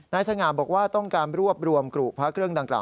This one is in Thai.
สง่าบอกว่าต้องการรวบรวมกรุพระเครื่องดังกล่า